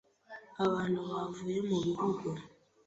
abantu bavuye mu bihugu